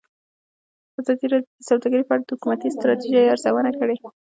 ازادي راډیو د سوداګري په اړه د حکومتي ستراتیژۍ ارزونه کړې.